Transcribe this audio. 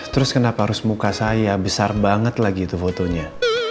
terus kenapa harus muka saya besar banget lagi itu fotonya